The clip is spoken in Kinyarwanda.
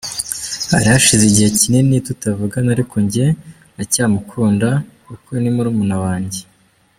Hari hashize igihe kinini tutavugana ariko njye ndacyamukunda kuko ni murumuna wanjye.